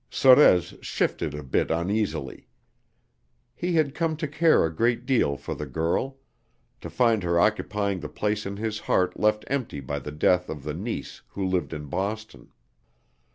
Sorez shifted a bit uneasily. He had come to care a great deal for the girl to find her occupying the place in his heart left empty by the death of the niece who lived in Boston.